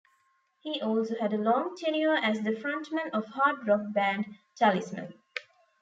He also had a long tenure as the frontman of hard rock band Talisman.